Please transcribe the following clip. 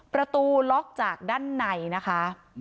ประตูล็อกจากด้านในนะคะ